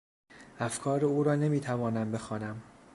افکار او را نمی توانم بخوانم.